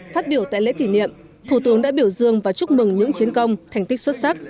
phát biểu tại lễ kỷ niệm thủ tướng đã biểu dương và chúc mừng những chiến công thành tích xuất sắc